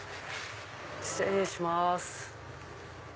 失礼します。